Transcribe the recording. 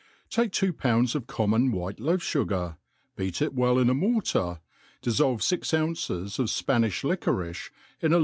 TAKE two pounds of common white loaf.fugar, beat it W^E in a mortar, diflblve fix ounces, of Spanifli liquorice in a